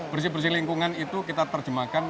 bersih bersih lingkungan itu kita terjemahkan